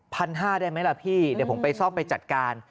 ห้าได้ไหมล่ะพี่เดี๋ยวผมไปซ่อมไปจัดการ